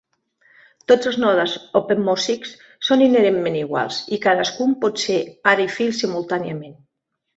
Tots els nodes openMosix són inherentment iguals i cadascun por set pare i fill simultàniament.